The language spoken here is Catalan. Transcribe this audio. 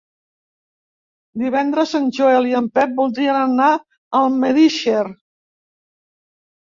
Divendres en Joel i en Pep voldrien anar a Almedíxer.